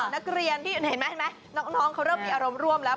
นักเรียนที่เห็นไหมน้องเขาเริ่มมีอารมณ์ร่วมแล้ว